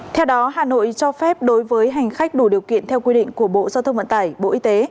theo đó hà nội cho phép đối với hành khách đủ điều kiện theo quy định của bộ giao thông vận tải bộ y tế